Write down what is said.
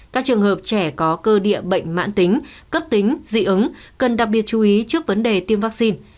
các trường hợp trẻ có cơ địa bệnh mãn tính cấp tính dị ứng cần đặc biệt chú ý trước vấn đề tiêm vaccine